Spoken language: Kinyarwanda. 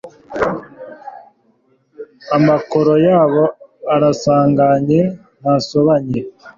Amakoro yabo arasanganye ntasobanye